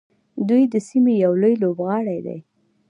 دوی د سیمې یو لوی لوبغاړی دی.